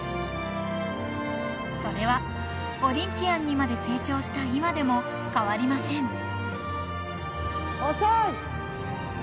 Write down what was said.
［それはオリンピアンにまで成長した今でも変わりません］